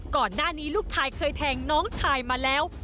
ก่อนหน้านี้ลูกชายเคยแทงน้องชายมาแล้ว